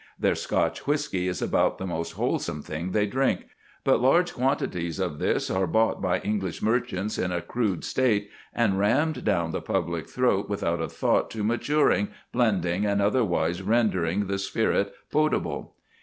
Their Scotch whisky is about the most wholesome thing they drink; but large quantities of this are bought by English merchants in a crude state, and rammed down the public throat without a thought to maturing, blending, and otherwise rendering the spirit potable.